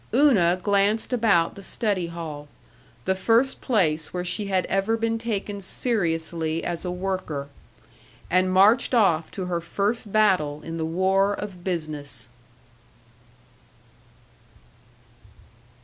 Una glanced about the study hall the first place where she had ever been taken seriously as a worker and marched off to her first battle in the war of business.